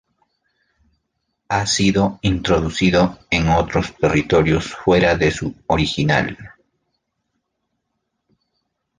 Ha sido introducido en otros territorios fuera de su original.